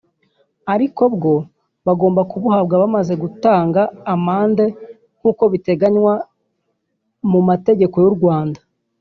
ariko bwo bagomba kubuhabwa bamaze gutanga amande nk’uko biteganywa mu mategeko y’u Rwanda